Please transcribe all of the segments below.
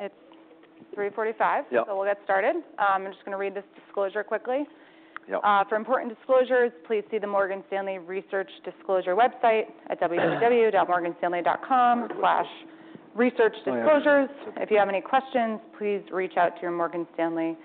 All right. It's 3:45 P.M. Yep. We'll get started. I'm just gonna read this disclosure quickly. Yep. For important disclosures, please see the Morgan Stanley Research Disclosure website at www.morganstanley.com/researchdisclosures. Yep. If you have any questions, please reach out to your Morgan Stanley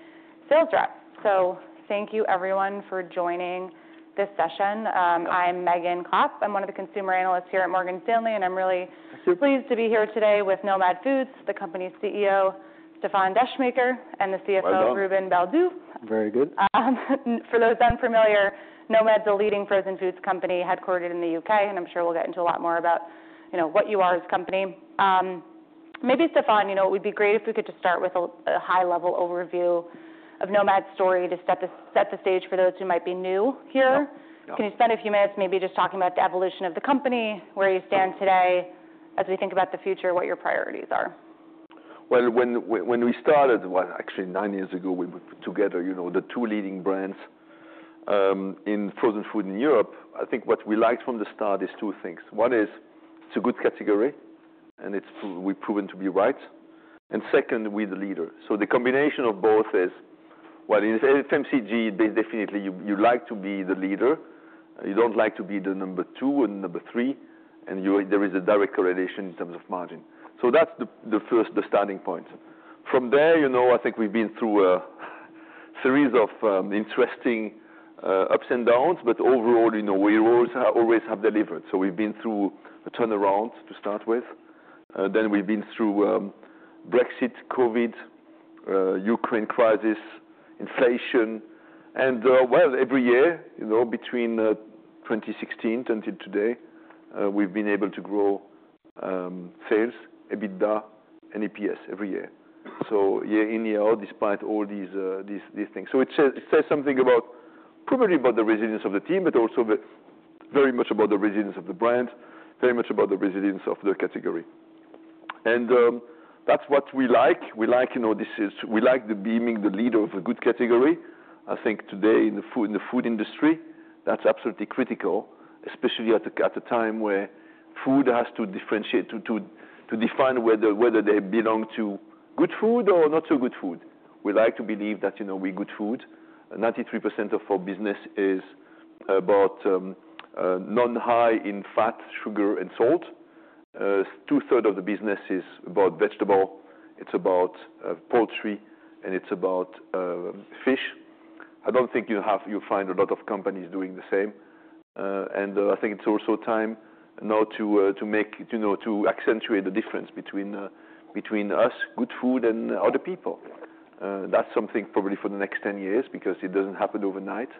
sales rep. So thank you, everyone, for joining this session. I'm Megan Kopp. I'm one of the consumer analysts here at Morgan Stanley, and I'm really. I see. Pleased to be here today with Nomad Foods, the company's CEO, Stéfan Descheemaeker, and the CFO, Ruben Baldew. Very good. For those unfamiliar, Nomad's a leading frozen foods company headquartered in the UK, and I'm sure we'll get into a lot more about, you know, what you are as a company. Maybe, Stefan, you know, it would be great if we could just start with a high-level overview of Nomad's story to set the stage for those who might be new here. Yeah. Can you spend a few minutes maybe just talking about the evolution of the company, where you stand today as we think about the future, what your priorities are? When we started, actually, nine years ago, we were together, you know, the two leading brands in frozen food in Europe. I think what we liked from the start is two things. One is it's a good category, and it's proven, we've proven to be right. And second, we're the leader. So the combination of both is, in FMCG, they definitely like to be the leader. You don't like to be the number two or number three, and there is a direct correlation in terms of margin. So that's the first, the starting point. From there, you know, I think we've been through a series of interesting ups and downs, but overall, you know, we've always have delivered. So we've been through a turnaround to start with. Then we've been through Brexit, COVID, Ukraine crisis, inflation, and well, every year, you know, between 2016 until today, we've been able to grow sales, EBITDA, and EPS every year. So year in, year out, despite all these things. So it says something about probably the resilience of the team, but also very much about the resilience of the brand, very much about the resilience of the category. And that's what we like. We like, you know, this, we like being the leader of a good category. I think today in the food industry, that's absolutely critical, especially at a time where food has to differentiate to define whether they belong to good food or not so good food. We like to believe that, you know, we're good food. 93% of our business is about non-high in fat, sugar, and salt. Two-thirds of the business is about vegetable. It's about poultry, and it's about fish. I don't think you'll find a lot of companies doing the same. I think it's also time now to make, you know, to accentuate the difference between us, good food, and other people. That's something probably for the next 10 years because it doesn't happen overnight.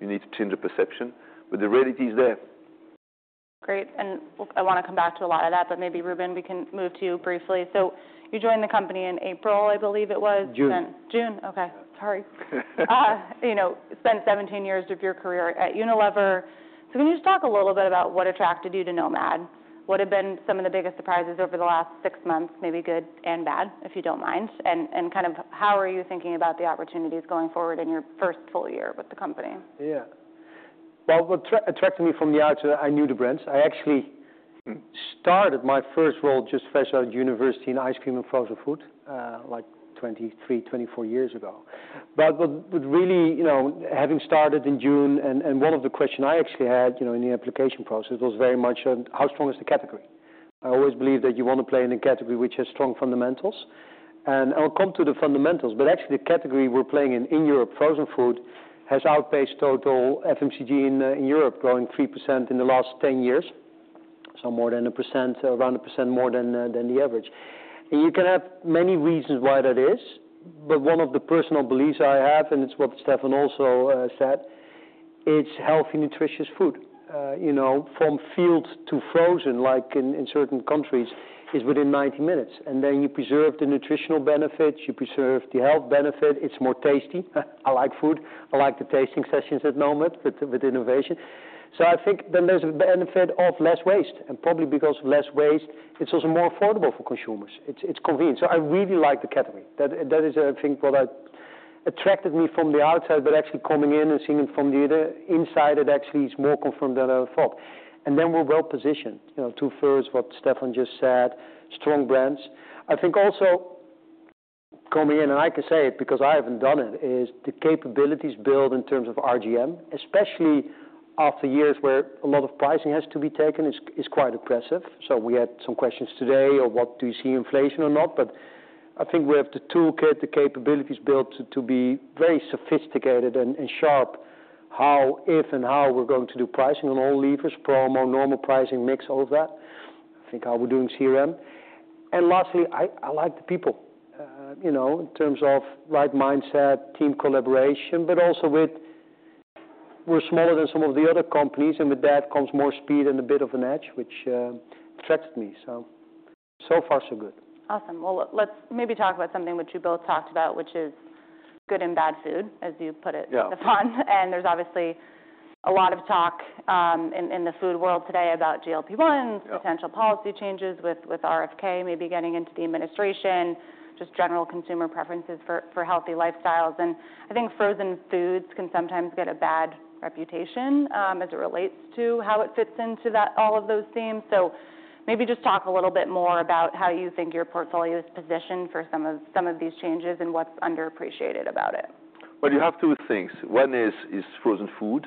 You need to change the perception, but the reality is there. Great. And I wanna come back to a lot of that, but maybe, Ruben, we can move to you briefly. So you joined the company in April, I believe it was. June. You know, spent 17 years of your career at Unilever, so can you just talk a little bit about what attracted you to Nomad? What have been some of the biggest surprises over the last six months, maybe good and bad, if you don't mind, and kind of how are you thinking about the opportunities going forward in your first full year with the company? Yeah. Well, what attracted me from the outset, I knew the brands. I actually started my first role just fresh out of university in ice cream and frozen food, like 23, 24 years ago. But what really, you know, having started in June, and one of the questions I actually had, you know, in the application process was very much, how strong is the category? I always believe that you wanna play in a category which has strong fundamentals. And I'll come to the fundamentals, but actually, the category we're playing in, in Europe, frozen food, has outpaced total FMCG in Europe, growing 3% in the last 10 years, so more than a percent, around a percent more than the average. You can have many reasons why that is, but one of the personal beliefs I have, and it's what Stefan also said, it's healthy, nutritious food. You know, from field to frozen, like in certain countries, is within 90 minutes, and then you preserve the nutritional benefits, you preserve the health benefit, it's more tasty. I like food. I like the tasting sessions at Nomad with innovation. So I think then there's a benefit of less waste, and probably because of less waste, it's also more affordable for consumers. It's convenient. So I really like the category. That is, I think, what attracted me from the outside, but actually coming in and seeing it from the inside, it actually is more confirmed than I thought. We're well-positioned, you know, to further what Stefan just said, strong brands. I think also coming in, and I can say it because I haven't done it, is the capabilities built in terms of RGM, especially after years where a lot of pricing has to be taken. It is quite impressive. We had some questions today, or what do you see, inflation or not, but I think we have the toolkit, the capabilities built to be very sophisticated and sharp, how, if, and how we're going to do pricing on all levers, promo, normal pricing mix, all of that. I think how we're doing CRM. And lastly, I like the people, you know, in terms of right mindset, team collaboration, but also, we're smaller than some of the other companies, and with that comes more speed and a bit of an edge, which attracted me. So far, so good. Awesome. Well, let's maybe talk about something which you both talked about, which is good and bad food, as you put it. Yeah. And there's obviously a lot of talk in the food world today about GLP-1. Yeah. Potential policy changes with RFK maybe getting into the administration, just general consumer preferences for healthy lifestyles. And I think frozen foods can sometimes get a bad reputation, as it relates to how it fits into that all of those themes. So maybe just talk a little bit more about how you think your portfolio is positioned for some of these changes and what's underappreciated about it. You have two things. One is frozen food,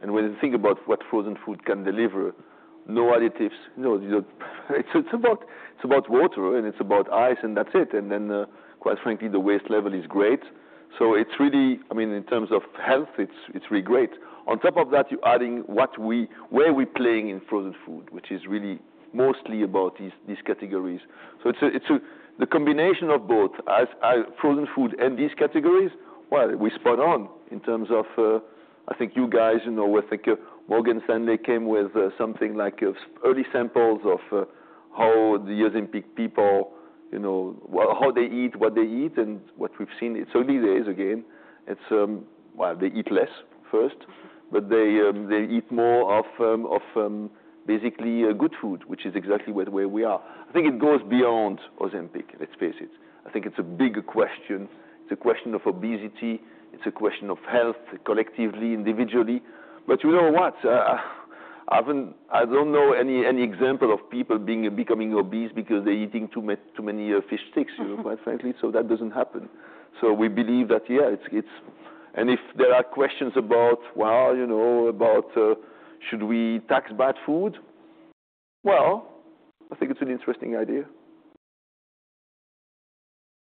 and when you think about what frozen food can deliver, no additives, you know, it's about water, and it's about ice, and that's it. And then, quite frankly, the waste level is great. So it's really, I mean, in terms of health, it's really great. On top of that, you're adding what we're playing in frozen food, which is really mostly about these categories. So it's the combination of both, as frozen food and these categories. We're spot on in terms of, I think you guys, you know, Morgan Stanley came with something like early samples of how the U.S. people, you know, how they eat, what they eat, and what we've seen. It's early days, again. It's well, they eat less first, but they eat more of basically good food, which is exactly where we are. I think it goes beyond Ozempic, let's face it. I think it's a big question. It's a question of obesity. It's a question of health collectively, individually. But you know what? I don't know any example of people becoming obese because they're eating too many fish sticks, you know, quite frankly. So that doesn't happen. So we believe that, yeah, it's and if there are questions about, well, you know, about should we tax bad food? Well, I think it's an interesting idea.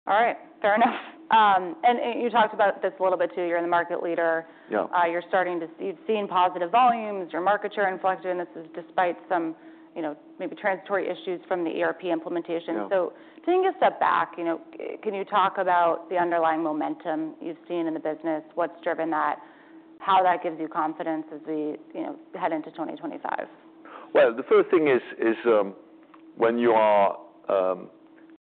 All right. Fair enough, and you talked about this a little bit too. You're the market leader. Yeah. You're starting to see you've seen positive volumes. Your market share inflected, and this is despite some, you know, maybe transitory issues from the ERP implementation. Yeah. So taking a step back, you know, can you talk about the underlying momentum you've seen in the business? What's driven that? How that gives you confidence as we, you know, head into 2025? The first thing is, when you are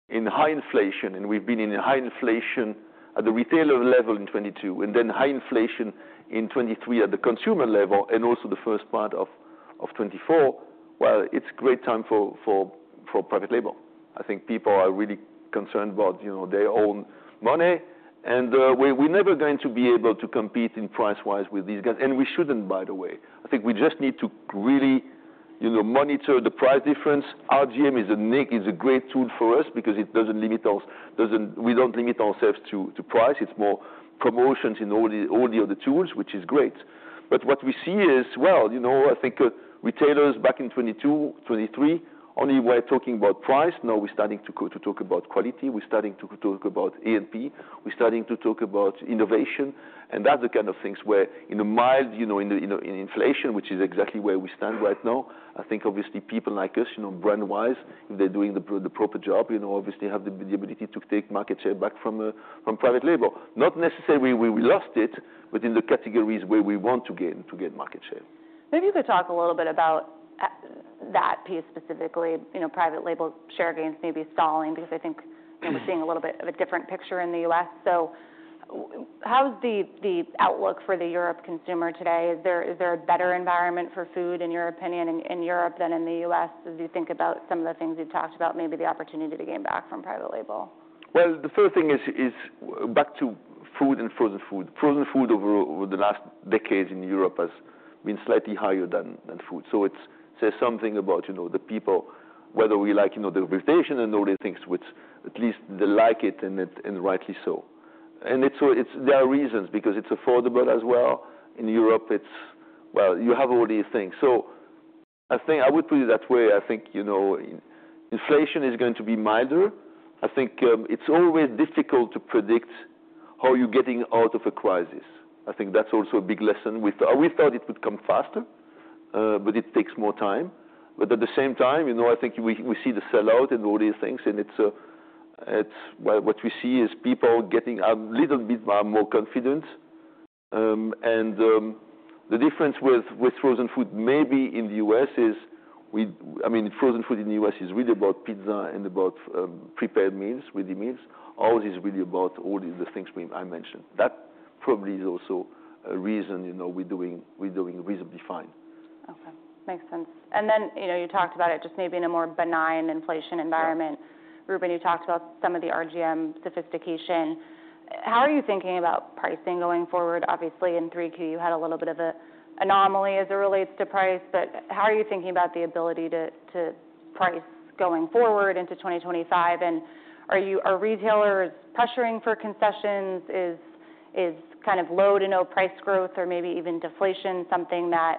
in high inflation, and we've been in high inflation at the retailer level in 2022, and then high inflation in 2023 at the consumer level, and also the first part of 2024, it's a great time for private label. I think people are really concerned about, you know, their own money, and we're never going to be able to compete price-wise with these guys, and we shouldn't, by the way. I think we just need to really, you know, monitor the price difference. RGM is a great tool for us because it doesn't limit us, we don't limit ourselves to price. It's more promotions in all the other tools, which is great. But what we see is, well, you know, I think retailers back in 2022, 2023, only were talking about price. Now we're starting to go to talk about quality. We're starting to talk about A&P. We're starting to talk about innovation, and that's the kind of things where, in a mild inflation, you know, which is exactly where we stand right now, I think obviously people like us, you know, brand-wise, if they're doing the proper job, you know, obviously have the ability to take market share back from private label. Not necessarily we lost it, but in the categories where we want to gain market share. Maybe you could talk a little bit about that piece specifically, you know, private label share gains maybe stalling because I think, you know, we're seeing a little bit of a different picture in the U.S. So how's the outlook for the Europe consumer today? Is there a better environment for food, in your opinion, in Europe than in the U.S., as you think about some of the things you've talked about, maybe the opportunity to gain back from private label? The first thing is back to food and frozen food. Frozen food over the last decades in Europe has been slightly higher than food. So it says something about, you know, the people, whether we like, you know, the vegetation and all these things, which at least they like it, and rightly so. And there are reasons because it's affordable as well. In Europe, well, you have all these things. So I think I would put it that way. I think, you know, inflation is going to be milder. I think it's always difficult to predict how you're getting out of a crisis. I think that's also a big lesson. We thought it would come faster, but it takes more time. But at the same time, you know, I think we see the sellout and all these things, and it's what we see is people getting a little bit more confident. And the difference with frozen food maybe in the U.S. is, I mean, frozen food in the U.S. is really about pizza and about prepared meals, ready meals. Ours is really about all the things we mentioned. That probably is also a reason, you know, we're doing reasonably fine. Okay. Makes sense, and then, you know, you talked about it just maybe in a more benign inflation environment. Yeah. Ruben, you talked about some of the RGM sophistication. How are you thinking about pricing going forward? Obviously, in 3Q, you had a little bit of an anomaly as it relates to price, but how are you thinking about the ability to price going forward into 2025? And are retailers pressuring for concessions? Is kind of low to no price growth or maybe even deflation something that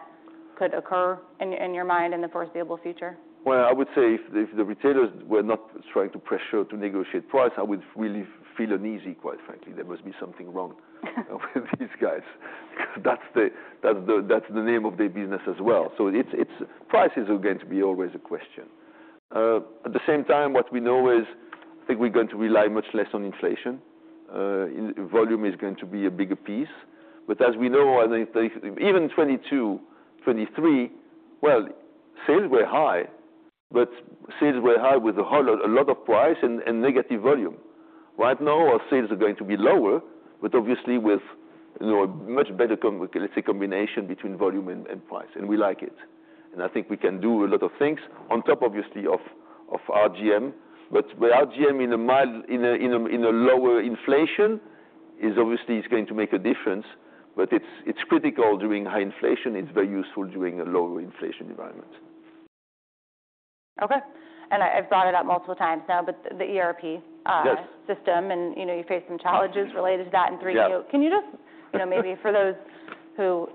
could occur in your mind in the foreseeable future? I would say if the retailers were not trying to pressure to negotiate price, I would really feel uneasy, quite frankly. There must be something wrong with these guys because that's the name of their business as well. So it's price is going to be always a question. At the same time, what we know is I think we're going to rely much less on inflation. In volume is going to be a bigger piece. But as we know, I think even 2022, 2023, sales were high, but sales were high with a whole lot of price and negative volume. Right now, our sales are going to be lower, but obviously with, you know, a much better, let's say, combination between volume and price, and we like it. I think we can do a lot of things on top, obviously, of RGM, but with RGM in a lower inflation is obviously going to make a difference, but it's critical during high inflation. It's very useful during a lower inflation environment. Okay. And I've brought it up multiple times now, but the ERP. Yes. system, and you know, you faced some challenges related to that in 3Q. Yeah. Can you just, you know, maybe for those who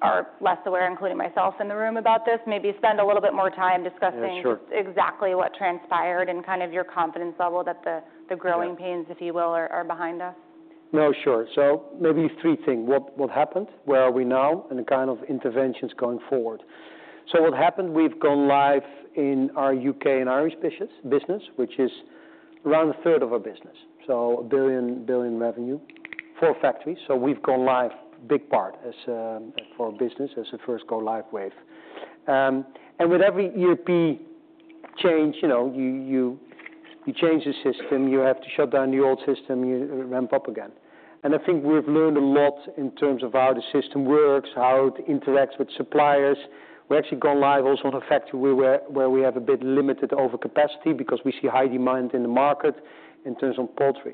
are less aware, including myself in the room about this, maybe spend a little bit more time discussing? Yeah. Sure. Exactly what transpired and kind of your confidence level that the growing pains, if you will, are behind us? No. Sure. So maybe three things. What happened? Where are we now and the kind of interventions going forward? So what happened? We've gone live in our UK and Irish business, which is around a third of our business, so $1 billion revenue for factories. So we've gone live [on a] big part of our business as a first go-live wave. And with every ERP change, you know, you change the system, you have to shut down the old system, you ramp up again. I think we've learned a lot in terms of how the system works, how it interacts with suppliers. We're actually going live also on a factory where we have a bit limited overcapacity because we see high demand in the market in terms of poultry.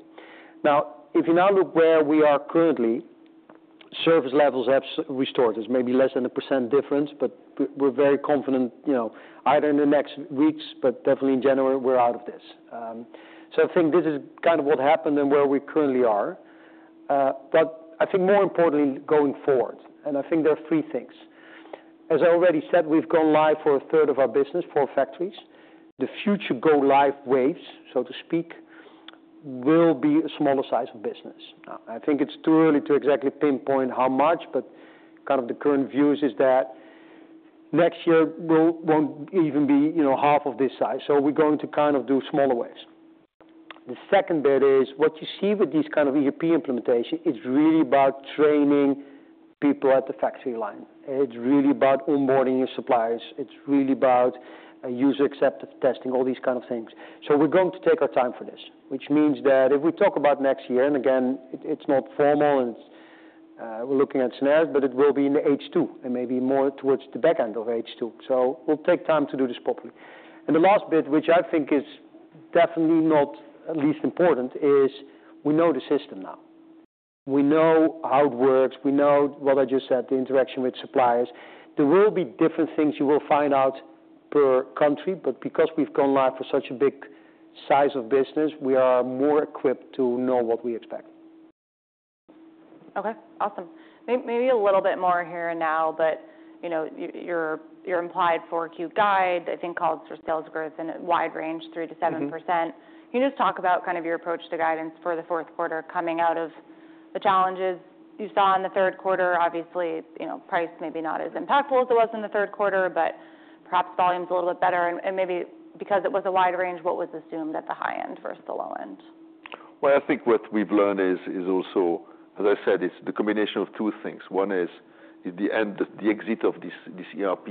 Now, if you look where we are currently, service levels have restored. There's maybe less than 1% difference, but we're very confident, you know, either in the next weeks, but definitely in January, we're out of this, so I think this is kind of what happened and where we currently are. But I think more importantly going forward, and I think there are three things. As I already said, we've gone live for a third of our business for factories. The future go-live waves, so to speak, will be a smaller size of business. Now, I think it's too early to exactly pinpoint how much, but kind of the current view is that next year won't even be, you know, half of this size, so we're going to kind of do smaller waves. The second bit is what you see with these kind of ERP implementation; it's really about training people at the factory line. It's really about onboarding your suppliers. It's really about user-accepted testing, all these kind of things. So we're going to take our time for this, which means that if we talk about next year, and again, it's not formal, and we're looking at scenarios, but it will be in H2 and maybe more towards the back end of H2. So we'll take time to do this properly. And the last bit, which I think is definitely not least important, is we know the system now. We know how it works. We know what I just said, the interaction with suppliers. There will be different things you will find out per country, but because we've gone live for such a big size of business, we are more equipped to know what we expect. Okay. Awesome. Maybe a little bit more here and now, but, you know, your implied 4Q guide, I think, calls for sales growth and a wide range, 3%-7%. Yeah. Can you just talk about kind of your approach to guidance for the fourth quarter coming out of the challenges you saw in the third quarter? Obviously, you know, price maybe not as impactful as it was in the third quarter, but perhaps volume's a little bit better. And maybe because it was a wide range, what was assumed at the high end versus the low end? I think what we've learned is also, as I said, it's the combination of two things. One is the end, the exit of this ERP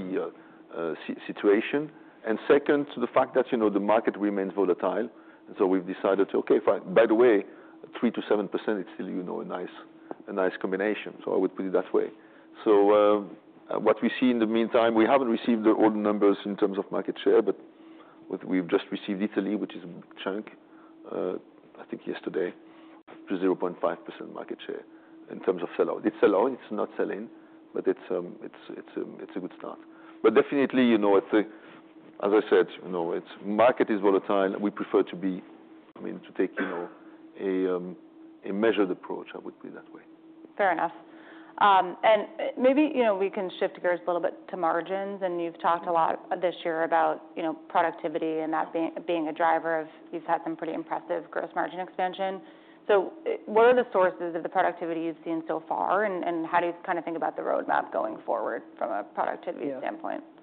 situation. And second, the fact that, you know, the market remains volatile. And so we've decided, okay, by the way, 3%-7%, it's still, you know, a nice combination. So I would put it that way. So, what we see in the meantime, we haven't received all the numbers in terms of market share, but we've just received Italy, which is a big chunk, I think yesterday, up 0.5% market share in terms of sellout. It's sellout. It's not selling, but it's a good start. But definitely, you know, I think, as I said, you know, the market is volatile. We prefer to be, I mean, to take, you know, a measured approach, I would put it that way. Fair enough, and maybe, you know, we can shift gears a little bit to margins, and you've talked a lot this year about, you know, productivity and that being a driver of you've had some pretty impressive gross margin expansion. So what are the sources of the productivity you've seen so far, and how do you kind of think about the roadmap going forward from a productivity standpoint? Yeah.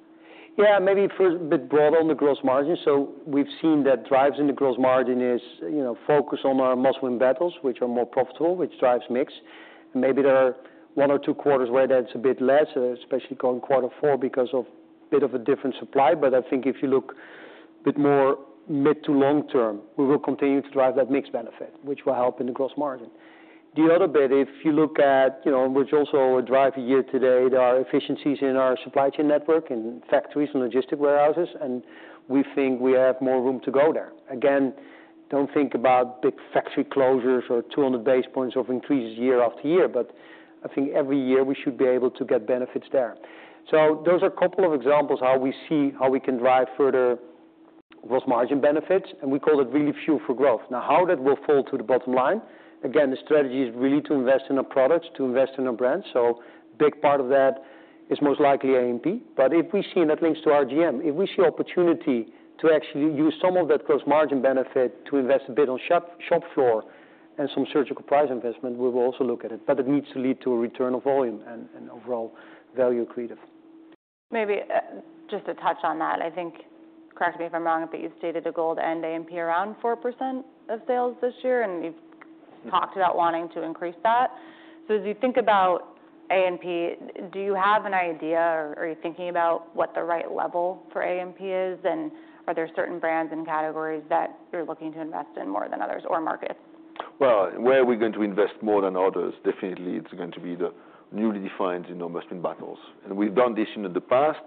Yeah. Maybe first a bit broader on the gross margin. So we've seen that drives in the gross margin is, you know, focus on our Must-Win Battles, which are more profitable, which drives mix. And maybe there are one or two quarters where that's a bit less, especially going quarter four because of a bit of a different supply. But I think if you look a bit more mid to long term, we will continue to drive that mixed benefit, which will help in the gross margin. The other bit, if you look at, you know, which also drive a year to date, there are efficiencies in our supply chain network in factories and logistics warehouses, and we think we have more room to go there. Again, don't think about big factory closures or 200 basis points of increases year after year, but I think every year we should be able to get benefits there. So those are a couple of examples how we see how we can drive further gross margin benefits, and we call it really fuel for growth. Now, how that will fall to the bottom line, again, the strategy is really to invest in our products, to invest in our brands. So a big part of that is most likely A&P, but if we see and that links to RGM, if we see opportunity to actually use some of that gross margin benefit to invest a bit on shop, shop floor and some surgical price investment, we will also look at it, but it needs to lead to a return of volume and overall value creation. Maybe, just to touch on that, I think, correct me if I'm wrong, but you stated a goal to end A&P around 4% of sales this year, and you've talked about wanting to increase that. So as you think about A&P, do you have an idea or are you thinking about what the right level for A&P is, and are there certain brands and categories that you're looking to invest in more than others or markets? Where are we going to invest more than others? Definitely, it's going to be the newly defined, you know, Must-Win Battles. We've done this in the past.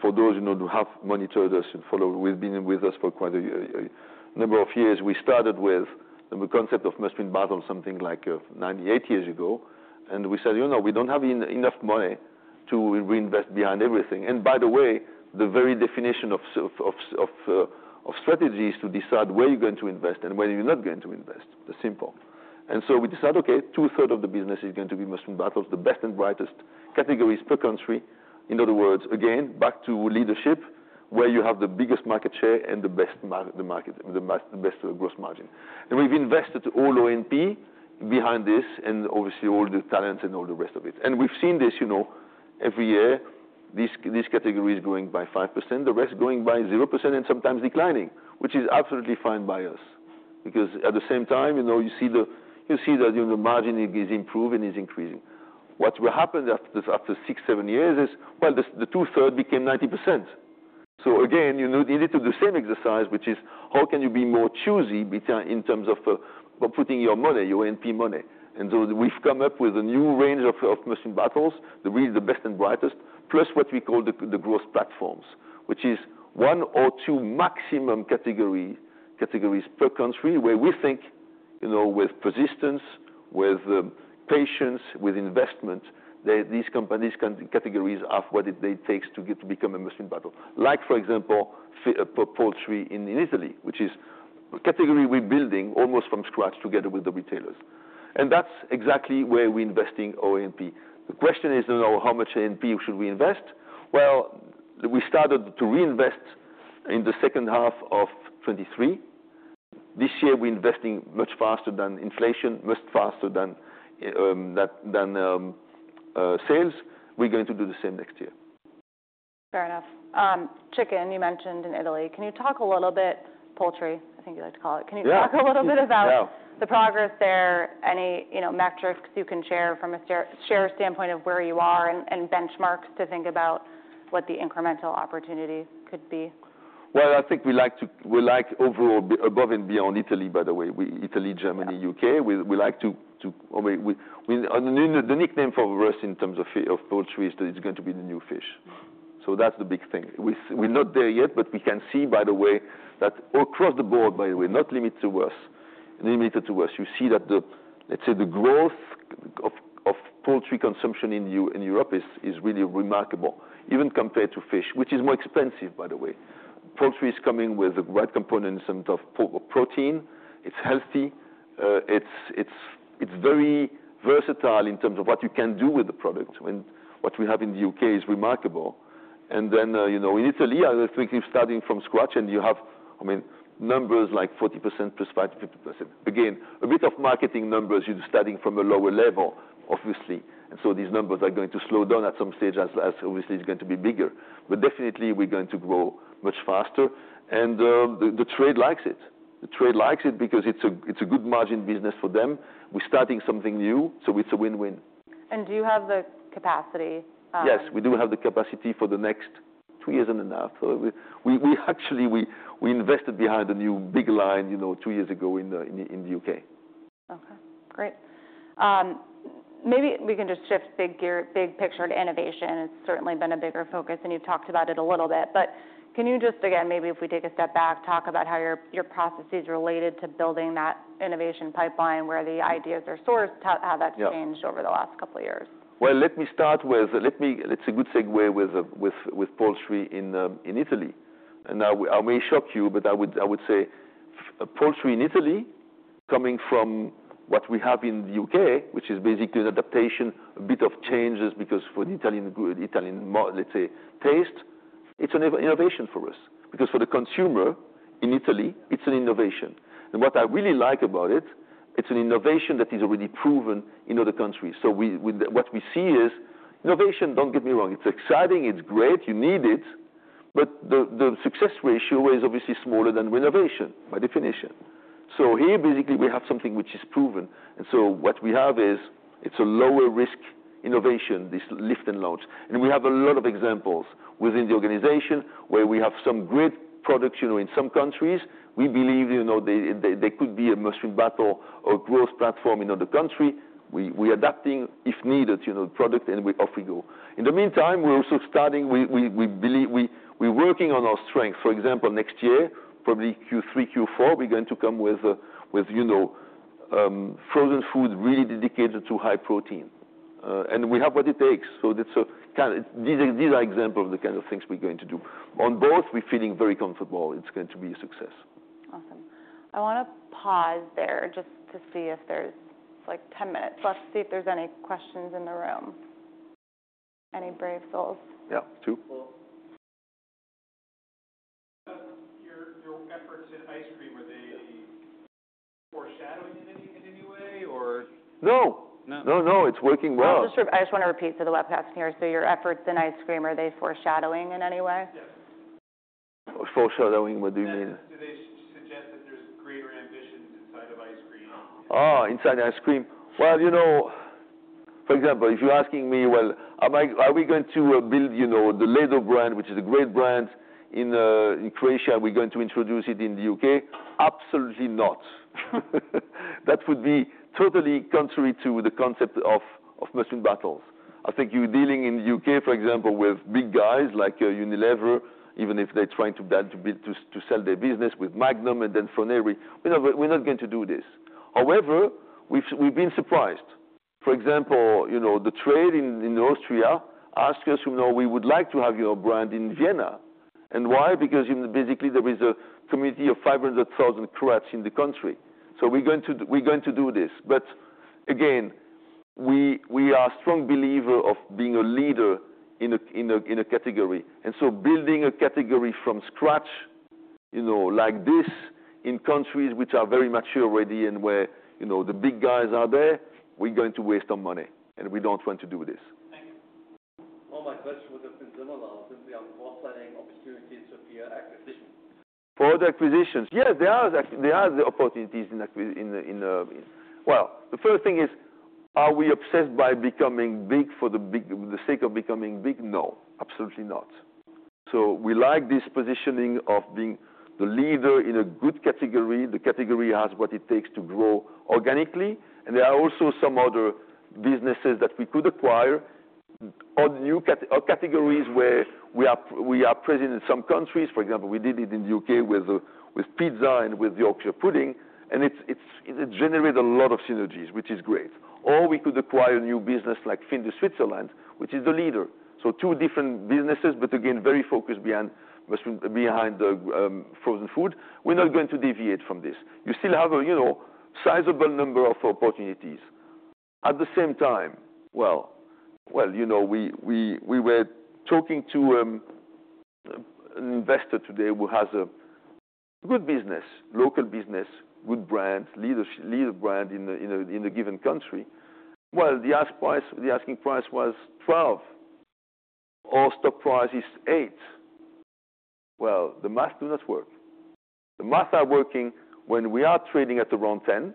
For those, you know, who have monitored us and followed, we've been with us for quite a number of years. We started with the concept of Must-Win Battles something like 98 years ago, and we said, you know, we don't have enough money to reinvest behind everything. By the way, the very definition of strategy is to decide where you're going to invest and where you're not going to invest. It's simple. We decided, okay, two-thirds of the business is going to be Must-Win Battles, the best and brightest categories per country. In other words, again, back to leadership, where you have the biggest market share and the best margin in the market, the best gross margin. And we've invested all A&P behind this and obviously all the talent and all the rest of it. And we've seen this, you know, every year, these categories growing by 5%, the rest growing by 0% and sometimes declining, which is absolutely fine by us because at the same time, you know, you see that, you know, the margin is improving and is increasing. What will happen after six, seven years is, well, the two-thirds became 90%. So again, you know, you need to do the same exercise, which is how can you be more choosy in terms of putting your money, your A&P money. We've come up with a new range of Must-Win Battles, the really best and brightest, plus what we call the growth platforms, which is one or two maximum categories per country where we think, you know, with persistence, with patience, with investment, that these categories can become Must-Win Battles. Like, for example, poultry in Italy, which is a category we're building almost from scratch together with the retailers. That's exactly where we're investing A&P. The question is, you know, how much A&P should we invest? We started to reinvest in the second half of 2023. This year, we're investing much faster than inflation, much faster than sales. We're going to do the same next year. Fair enough. Chicken you mentioned in Italy. Can you talk a little bit poultry? I think you like to call it. Can you talk a little bit about the progress there? Any, you know, metrics you can share from a share standpoint of where you are and benchmarks to think about what the incremental opportunity could be? I think we like overall above and beyond Italy, by the way. We like Italy, Germany, UK. We like the nickname for us in terms of poultry is that it's going to be the new fish. So that's the big thing. We're not there yet, but we can see, by the way, that across the board, not limited to us, you see that, let's say, the growth of poultry consumption in Europe is really remarkable, even compared to fish, which is more expensive, by the way. Poultry is coming with the right components of protein. It's healthy. It's very versatile in terms of what you can do with the product. I mean, what we have in the UK is remarkable. Then, you know, in Italy, I think you're starting from scratch and you have, I mean, numbers like 40% plus five to 50%. Again, a bit of marketing numbers you're starting from a lower level, obviously. So these numbers are going to slow down at some stage as obviously it's going to be bigger, but definitely, we're going to grow much faster. The trade likes it. The trade likes it because it's a good margin business for them. We're starting something new, so it's a win-win. Do you have the capacity? Yes. We do have the capacity for the next two years and a half. So we actually invested behind a new big line, you know, two years ago in the UK. Okay. Great. Maybe we can just shift gears, big picture to innovation. It's certainly been a bigger focus, and you've talked about it a little bit, but can you just, again, maybe if we take a step back, talk about how your process is related to building that innovation pipeline, where the ideas are sourced, how that's changed over the last couple of years? Yeah. Well, let me start. It's a good segue with poultry in Italy. Now I may shock you, but I would say poultry in Italy coming from what we have in the UK, which is basically an adaptation, a bit of changes because for the Italian mode, let's say, taste, it's an innovation for us because for the consumer in Italy, it's an innovation. What I really like about it, it's an innovation that is already proven in other countries. What we see is innovation. Don't get me wrong, it's exciting, it's great, you need it, but the success ratio is obviously smaller than renovation by definition. Here, basically, we have something which is proven. What we have is a lower risk innovation, this lift and launch. We have a lot of examples within the organization where we have some great products, you know, in some countries. We believe, you know, they could be a must-win battle or growth platform in other countries. We are adapting if needed, you know, the product and off we go. In the meantime, we're also starting. We believe we're working on our strengths. For example, next year, probably Q3, Q4, we're going to come with, you know, frozen food really dedicated to high protein, and we have what it takes. So it's kind of. These are examples of the kind of things we're going to do. On both, we're feeling very comfortable. It's going to be a success. Awesome. I want to pause there just to see if there's like 10 minutes. Let's see if there's any questions in the room. Any brave souls? Yeah. Two. Your efforts in ice cream, are they foreshadowing in any way or? No. No? No, no. It's working well. I just want to repeat for the webcast here, so your efforts in ice cream, are they foreshadowing in any way? Yes. Foreshadowing, what do you mean? Do they suggest that there's greater ambitions inside of ice cream? Oh, inside ice cream. Well, you know, for example, if you're asking me, well, am I, are we going to build, you know, the Ledo brand, which is a great brand in, in Croatia, and we're going to introduce it in the UK? Absolutely not. That would be totally contrary to the concept of, of Must-Win Battles. I think you're dealing in the UK, for example, with big guys like Unilever, even if they're trying to build, to build, to, to sell their business with Magnum and then Froneri. We're not, we're not going to do this. However, we've, we've been surprised. For example, you know, the trade in, in Austria asked us, you know, we would like to have your brand in Vienna. And why? Because, you know, basically, there is a community of 500,000 Croats in the country. So we're going to, we're going to do this. But again, we are a strong believer of being a leader in a category. And so building a category from scratch, you know, like this in countries which are very mature already and where, you know, the big guys are there, we're going to waste our money, and we don't want to do this. Thank you. All my questions would have been similar simply on offsetting opportunities for peer acquisition. For the acquisitions, yeah, there are opportunities in acquisitions. Well, the first thing is, are we obsessed by becoming big for the sake of becoming big? No, absolutely not. So we like this positioning of being the leader in a good category. The category has what it takes to grow organically. And there are also some other businesses that we could acquire, all new categories where we are present in some countries. For example, we did it in the UK with pizza and with Yorkshire pudding. And it generated a lot of synergies, which is great. Or we could acquire a new business like Findus Switzerland, which is the leader. So two different businesses, but again, very focused behind Must-Win Battles, behind the frozen food. We're not going to deviate from this. You still have a sizable number of opportunities. At the same time, well, you know, we were talking to an investor today who has a good business, local business, good brand, leadership, leader brand in a given country. The ask price, the asking price was $12. Our stock price is $8. The math do not work. The math are working when we are trading at around $10,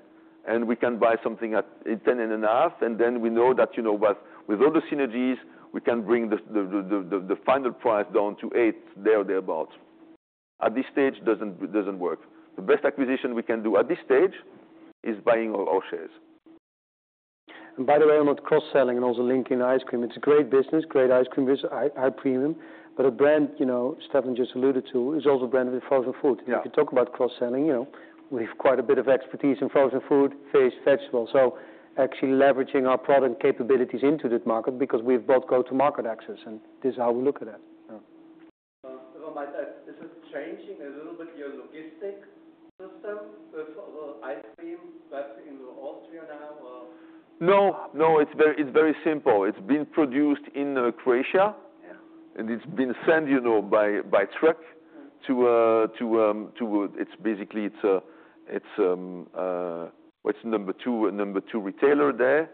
and we can buy something at $10.5, and then we know that, you know, with all the synergies, we can bring the final price down to $8, thereabouts. At this stage, doesn't work. The best acquisition we can do at this stage is buying our shares. By the way, I'm on cross-selling and also linking ice cream. It's a great business, great ice cream business, high, high premium, but a brand, you know, Stefan just alluded to, is also branded with frozen food. Yeah. You can talk about cross-selling, you know, we have quite a bit of expertise in frozen food, fish, vegetables, so actually leveraging our product capabilities into that market because we've both go-to-market access, and this is how we look at it. Is it changing a little bit your logistics system for ice cream that's in Austria now, or? No, no. It's very, it's very simple. It's been produced in Croatia. Yeah. And it's been sent, you know, by truck to the number two retailer there,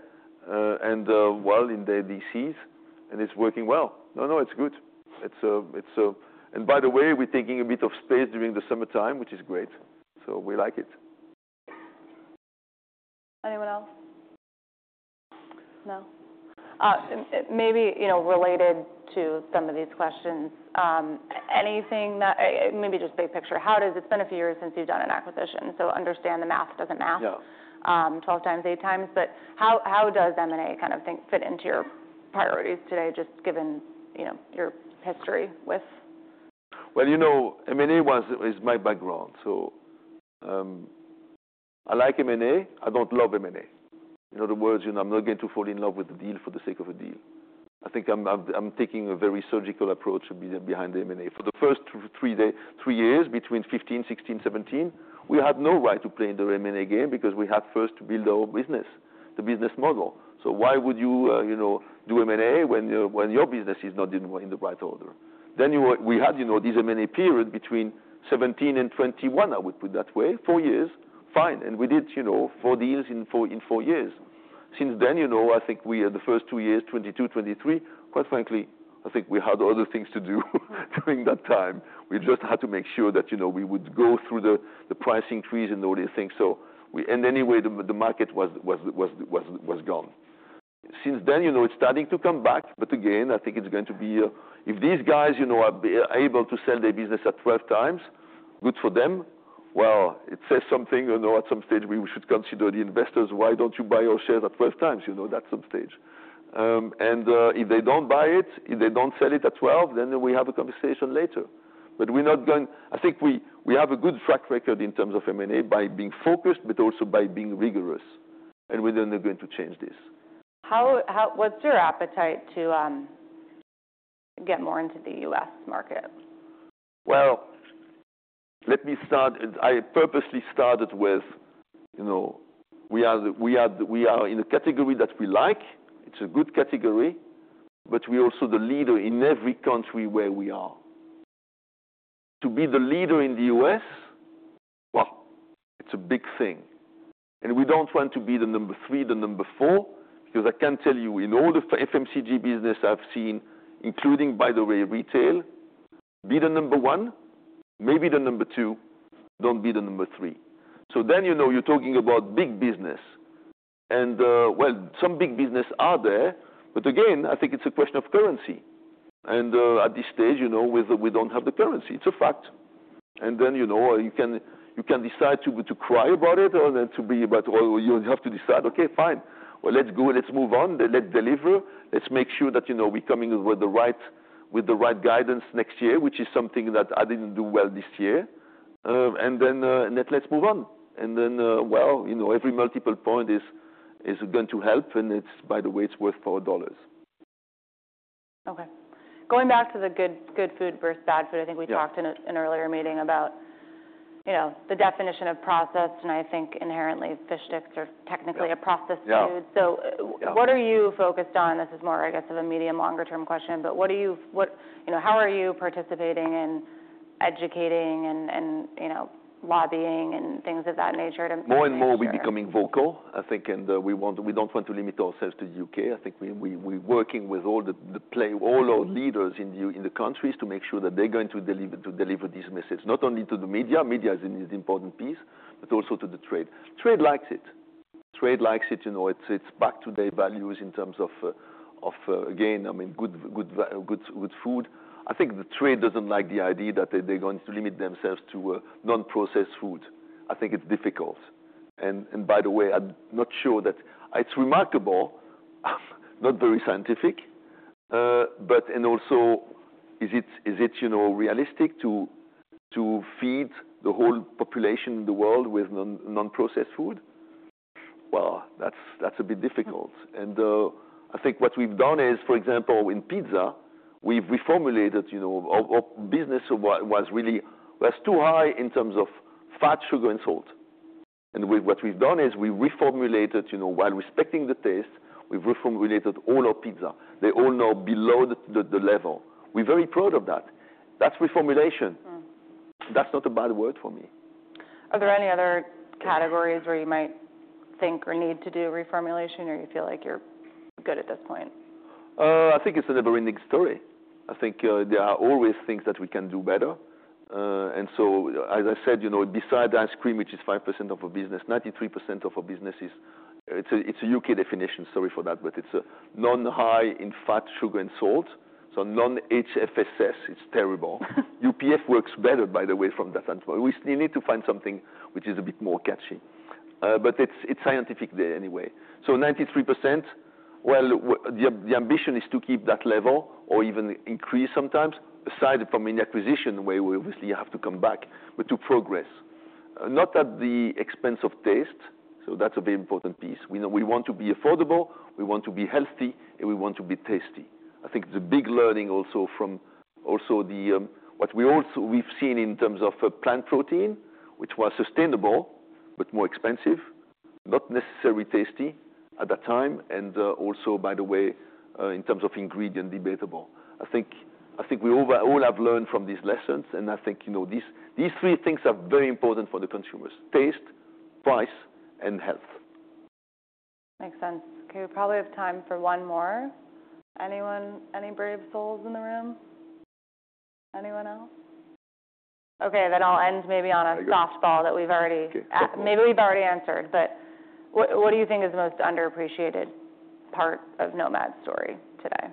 and well, in the DCs, and it's working well. No, it's good. And by the way, we're taking a bit of space during the summertime, which is great. So we like it. Anyone else? No? Maybe, you know, related to some of these questions, anything that, maybe just big picture, how does it's been a few years since you've done an acquisition, so understand the math doesn't matter. Yeah. 12 times, eight times, but how, how does M&A kind of thing fit into your priorities today, just given, you know, your history with? You know, M&A was, is my background. So, I like M&A. I don't love M&A. In other words, you know, I'm not going to fall in love with the deal for the sake of a deal. I think I'm taking a very surgical approach behind M&A. For the first three years between 2015, 2016, 2017, we had no right to play in the M&A game because we had first to build our business, the business model. So why would you, you know, do M&A when your business is not in the right order? Then we had, you know, this M&A period between 2017 and 2021, I would put it that way, four years, fine. We did, you know, four deals in four years. Since then, you know, I think we had the first two years, 2022, 2023, quite frankly. I think we had other things to do during that time. We just had to make sure that, you know, we would go through the pricing trees and all these things. So, and anyway, the market was gone. Since then, you know, it's starting to come back, but again, I think it's going to be, if these guys, you know, are able to sell their business at 12 times, good for them. Well, it says something, you know, at some stage we should consider the investors. Why don't you buy your shares at 12 times, you know, that's some stage, and if they don't buy it, if they don't sell it at 12, then we have a conversation later. But we're not going, I think we have a good track record in terms of M&A by being focused, but also by being rigorous. And we're then going to change this. How, what's your appetite to get more into the U.S. market? Let me start. I purposely started with, you know, we are in a category that we like. It's a good category, but we're also the leader in every country where we are. To be the leader in the U.S., well, it's a big thing. And we don't want to be the number three, the number four, because I can tell you in all the FMCG business I've seen, including, by the way, retail. Be the number one, maybe the number two. Don't be the number three. So then, you know, you're talking about big business. And, well, some big business are there, but again, I think it's a question of currency. And, at this stage, you know, we don't have the currency. It's a fact. You know, you can decide to cry about it or then to be about. Well, you have to decide, okay, fine. Well, let's go. Let's move on. Let's deliver. Let's make sure that, you know, we're coming with the right guidance next year, which is something that I didn't do well this year. Then, let's move on. Well, you know, every multiple point is going to help, and it's, by the way, worth our dollars. Okay. Going back to the good, good food versus bad food, I think we talked in an earlier meeting about, you know, the definition of processed, and I think inherently fish sticks are technically a processed food. Yeah. So what are you focused on? This is more, I guess, of a medium-longer-term question, but what are you, you know, how are you participating in educating and, you know, lobbying and things of that nature to make sure? More and more we're becoming vocal, I think, and we don't want to limit ourselves to the UK. I think we're working with all the players, all our leaders in the countries to make sure that they're going to deliver this message, not only to the media. Media is an important piece, but also to the trade. Trade likes it, you know, it's back to their values in terms of, again, I mean, good food. I think the trade doesn't like the idea that they're going to limit themselves to non-processed food. I think it's difficult. By the way, I'm not sure that it's remarkable, not very scientific, but also, is it, you know, realistic to feed the whole population in the world with non-processed food? That's a bit difficult. I think what we've done is, for example, in pizza, we've reformulated, you know, our business was really too high in terms of fat, sugar, and salt. And what we've done is we reformulated, you know, while respecting the taste, we've reformulated all our pizza. They're all now below the level. We're very proud of that. That's reformulation. That's not a bad word for me. Are there any other categories where you might think or need to do reformulation or you feel like you're good at this point? I think it's a never-ending story. I think there are always things that we can do better. And so, as I said, you know, besides ice cream, which is 5% of our business, 93% of our business is. It's a UK definition, sorry for that, but it's a non-high in fat, sugar, and salt. So non-HFSS, it's terrible. UPF works better, by the way, from that standpoint. We still need to find something which is a bit more catchy. But it's scientific there anyway. So 93%. Well, the ambition is to keep that level or even increase sometimes, aside from any acquisition where we obviously have to come back, but to progress. Not at the expense of taste. So that's a very important piece. We know we want to be affordable, we want to be healthy, and we want to be tasty. I think the big learning also from the what we've seen in terms of plant protein, which was sustainable, but more expensive, not necessarily tasty at that time. Also, by the way, in terms of ingredients debatable. I think we all have learned from these lessons, and I think, you know, these three things are very important for the consumers: taste, price, and health. Makes sense. Okay. We probably have time for one more. Anyone, any brave souls in the room? Anyone else? Okay. That all ends maybe on a softball that we've already. Okay. Maybe we've already answered, but what do you think is the most underappreciated part of Nomad's story today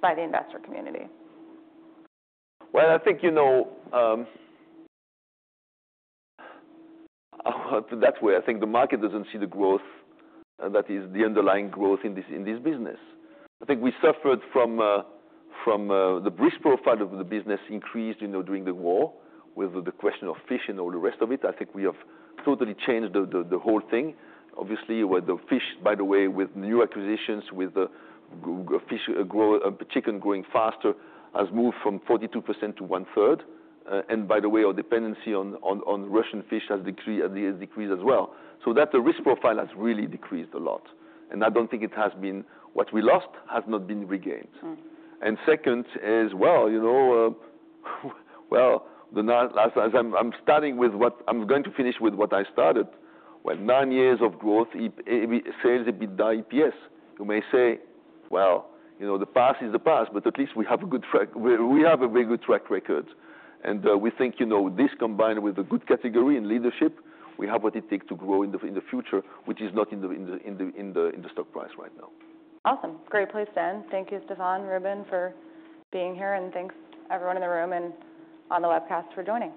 by the investor community? I think, you know, that way, I think the market doesn't see the growth, and that is the underlying growth in this business. I think we suffered from the risk profile of the business increased, you know, during the war with the question of fish and all the rest of it. I think we have totally changed the whole thing. Obviously, with the fish, by the way, with new acquisitions with the fish growth, chicken growing faster has moved from 42% to one-third. And by the way, our dependency on Russian fish has decreased as well. So that the risk profile has really decreased a lot. And I don't think it has been, what we lost has not been regained. Second is, well, you know, well, the last, as I'm starting with what I'm going to finish with what I started. Well, nine years of growth, sales have been down EPS. You may say, well, you know, the past is the past, but at least we have a good track, we have a very good track record. We think, you know, this combined with a good category and leadership, we have what it takes to grow in the stock price right now. Awesome. Great place to end. Thank you, Stefan, Ruben, for being here, and thanks everyone in the room and on the webcast for joining.